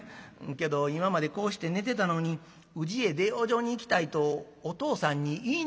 けど今までこうして寝てたのに宇治へ出養生に行きたいとお父さんに言いにくい」。